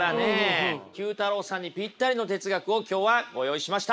９太郎さんにぴったりの哲学を今日はご用意しました。